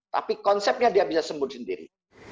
tapi konsepnya dia bisa sembuh sendiri